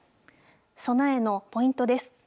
備えのポイントです。